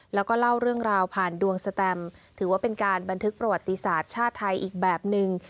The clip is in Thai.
แล้วก็เล่าเรื่องราวผ่านดวงสแตมถือว่าเป็นการบันทึกประวัติศาสตร์ชาติไทยอีกแบบนึง